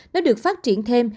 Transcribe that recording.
nếu được phát triển thêm